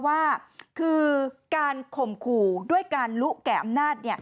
ว่าคือการข่มขู่ด้วยการลุแก่อำนาจ